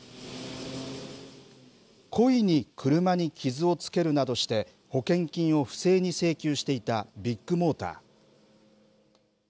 故意に車に傷をつけるなどして、保険金を不正に請求していたビッグモーター。